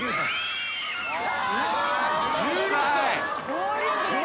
ボウリングです。